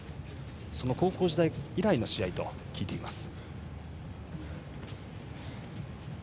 高校時代以来の試合と聞いています。